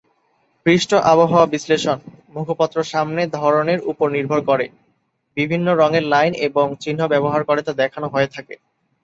পৃষ্ঠ আবহাওয়া বিশ্লেষণ, মুখপত্র সামনে ধরনের উপর নির্ভর করে, বিভিন্ন রঙের লাইন এবং চিহ্ন ব্যবহার করে তা দেখানো হয়ে থাকে।